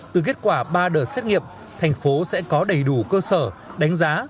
từ kết quả ba đợt xét nghiệm thành phố sẽ có đầy đủ cơ sở đánh giá